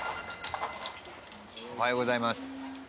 おはようございます。